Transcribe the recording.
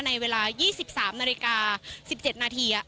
ในเวลา๒๓นาฬิกา๑๗นาที